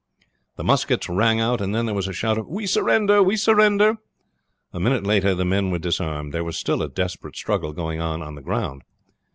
The muskets rang out, and then there was a shout of "We surrender! we surrender!" A minute later the men were disarmed. There was still a desperate struggle going on on the ground.